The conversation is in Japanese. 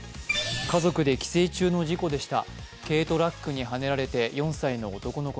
家族で帰省中の事故でした。